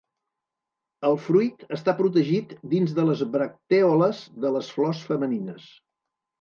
El fruit està protegit dins de les bractèoles de les flors femenines.